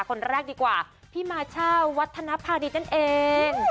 คนแรกดีกว่าพี่มาเช่าวัฒนภาดิตนั่นเอง